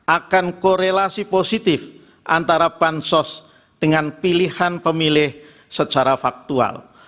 akan korelasi positif antara bansos dengan pilihan pemilih secara faktual